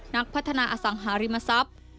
นักพัฒนาอสังหาริมทรัพย์